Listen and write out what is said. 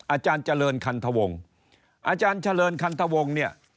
อาจารย์เจริญคันทวงอาจารย์เจริญคันทวงเนี่ย